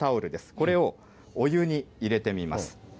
これをお湯に入れてみます。